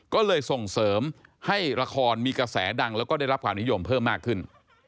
ก็เลยส่งเสริมให้ละครมีกระแสดังแล้วก็ได้รับความนิยมเพิ่มมากขึ้น